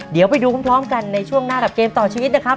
เดี๋ยวไปดูพร้อมกันในช่วงหน้ากับเกมต่อชีวิตนะครับ